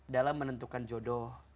dalam menentukan jodoh